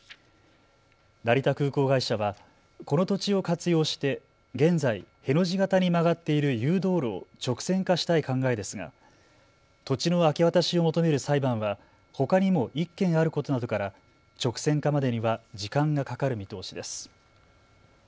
成田空港会社はこの土地を活用して現在、への字型に曲がっている誘導路を直線化したい考えですが土地の明け渡しを求める裁判はほかにも１件あることなどから直線化までには時間がかかる見通しです。